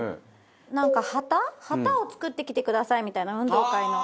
なんか旗旗を作ってきてくださいみたいな運動会の。